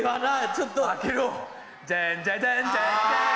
ちょっと開けろジャーンジャジャンジャンジャーン！